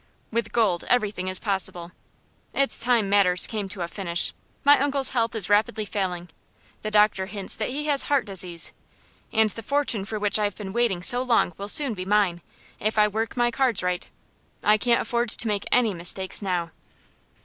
With gold everything is possible. It's time matters came to a finish. My uncle's health is rapidly failing the doctor hints that he has heart disease and the fortune for which I have been waiting so long will soon be mine, if I work my cards right. I can't afford to make any mistakes now."